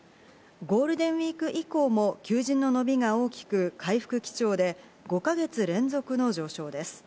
ゴールデンウイーク以降も求人の伸びが大きく回復基調で、５か月連続の上昇です。